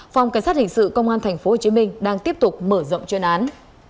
phòng cảnh sát hình sự công an tp hcm đang tiếp tục mở rộng chuyên án